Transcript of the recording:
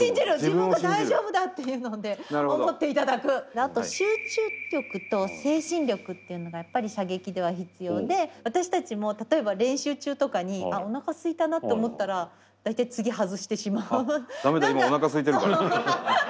あと集中力と精神力っていうのがやっぱり射撃では必要で私たちも例えば練習中とかに「あおなかすいたな」と思ったら大体次外してしまう。